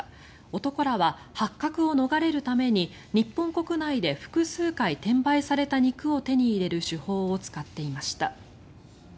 男らは発覚を逃れるために日本国内で複数回転売された肉を手に入れる手法を使っていました。